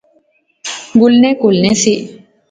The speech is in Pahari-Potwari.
گولنے کہلنے سے